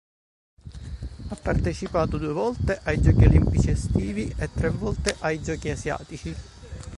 Ha partecipato due volte ai Giochi olimpici estivi e tre volte ai Giochi asiatici.